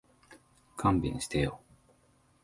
勘弁してよ